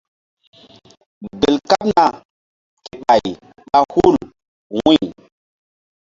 Gel kaɓna ke ɓay ɓa hul wu̧y.